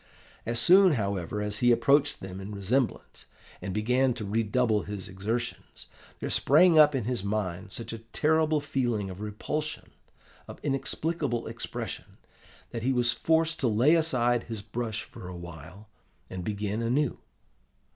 As soon, however, as he approached them in resemblance, and began to redouble his exertions, there sprang up in his mind such a terrible feeling of repulsion, of inexplicable expression, that he was forced to lay aside his brush for a while and begin anew.